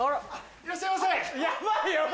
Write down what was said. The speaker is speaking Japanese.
いらっしゃいませ。